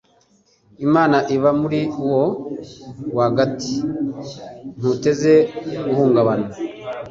Imana iba muri wo rwagati ntuteze guhungabana